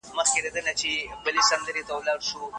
د هېواد سرحدونه باید تل خوندي وساتل شي.